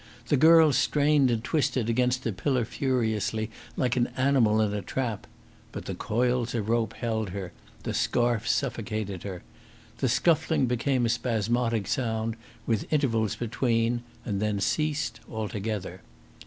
The girl strained and twisted against the pillar furiously, like an animal in a trap. But the coils of rope held her; the scarf suffocated her. The scuffling became a spasmodic sound, with intervals between, and then ceased altogether.